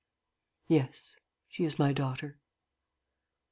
"Yes, she is my daughter."